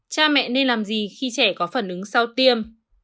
cha mẹ nên làm gì khi trẻ có phản ứng sau tiêm